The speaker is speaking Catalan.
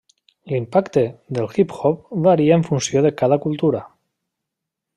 L'impacte del hip-hop varia en funció de cada cultura.